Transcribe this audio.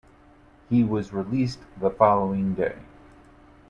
He was released the following day.